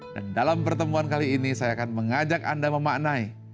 dan dalam pertemuan kali ini saya akan mengajak anda memaknai